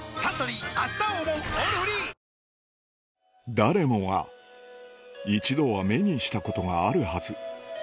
誰もが一度は目にしたことがあるはず